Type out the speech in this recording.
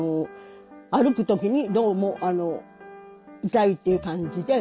歩くときにどうも痛いっていう感じで。